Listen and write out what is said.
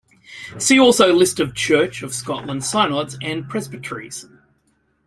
See also List of Church of Scotland synods and presbyteries.